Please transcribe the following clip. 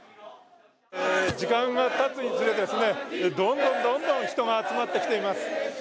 時間がたつにつれてどんどんどんどん人が集まってきています。